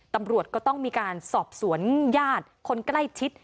ตำรวจก็ต้องมีการสอบสวนญาติคนใกล้ชิด